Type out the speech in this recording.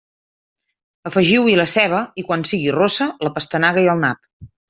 Afegiu-hi la ceba i, quan sigui rossa, la pastanaga i el nap.